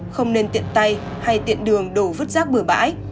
không nên tiện tay hay tiện đường đổ vứt rác bừa bãi